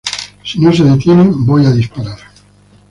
Si no se detienen voy a disparar!".